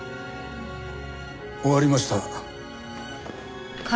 終わりました。